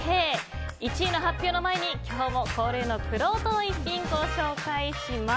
１位の発表の前に今日も恒例のくろうとの逸品をご紹介します。